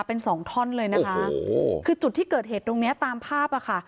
เป็นสองท่อนเลยนะคะโอ้โหคือจุดที่เกิดเหตุตรงเนี้ยตามภาพอ่ะค่ะ